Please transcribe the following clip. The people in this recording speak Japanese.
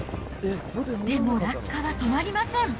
でも落下は止まりません。